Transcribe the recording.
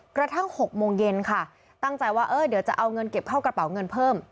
กระทั่ง๖โมงเย็นค่ะตั้งใจว่าเดี๋ยวจะเอาเงินเก็บเข้ากระเป๋าเงินเพิ่ม